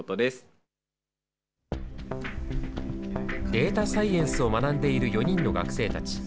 データサイエンスを学んでいる４人の学生たち。